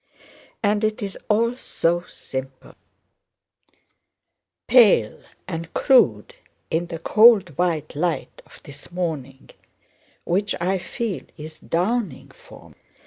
And it is all so simple, pale, and crude in the cold white light of this morning which I feel is dawning for me."